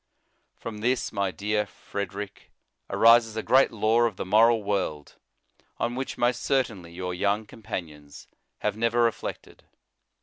From this, my dear Frederic, arises a great law of the moral world, on which, most cer tainly, your young companions have never reflected.